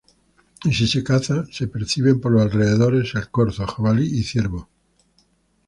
Y si se caza, se perciben por los alrededores el corzo, jabalí y ciervo.